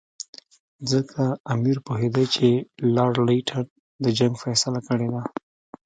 ځکه امیر پوهېدی چې لارډ لیټن د جنګ فیصله کړې ده.